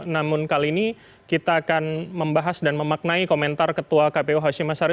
namun kali ini kita akan membahas dan memaknai komentar ketua kpu hashim ashari